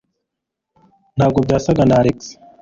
Ntabwo byasaga na Alex.